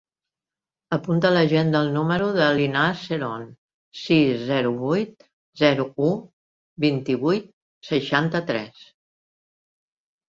Apunta a l'agenda el número de l'Inas Seron: sis, zero, vuit, zero, u, vint-i-vuit, seixanta-tres.